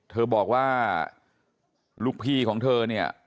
เธอบอกว่าลูกพี่ของเธอเนี่ย